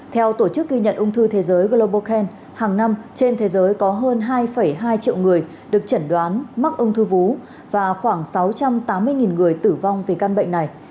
theo tổ chức ghi nhận ung thư thế giới global can hàng năm trên thế giới có hơn hai hai triệu người được chẩn đoán mắc ung thư vú và khoảng sáu trăm tám mươi người tử vong vì căn bệnh này